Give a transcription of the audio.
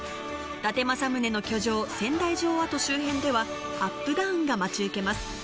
伊達政宗の居城・仙台城跡周辺ではアップダウンが待ち受けます。